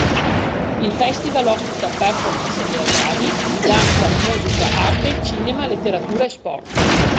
Il festival ospita performance teatrali, di danza, musica, arte, cinema, letteratura e sport.